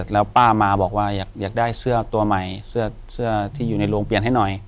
แล้วป้ามาบอกว่าอยากได้เสื้อตัวใหม่เสื้อที่อยู่ในโรงเปลี่ยนให้หน่อย